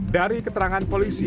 dari keterangan polisi